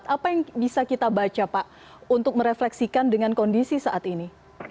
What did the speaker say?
apa yang bisa kita baca pak untuk merefleksikan dengan kondisi saat ini